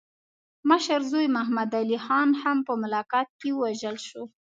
مشر زوی محمد علي خان هم په قلات کې ووژل شو.